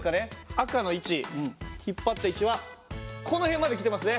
赤の位置引っ張った位置はこの辺まで来てますね。